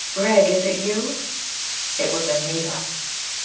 "Gregg, is it you?" It was Anita!